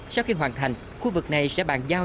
sau khi hoàn thành khu vực này sẽ bàn giao